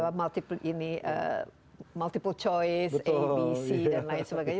dan multiple choice a b c dan lain sebagainya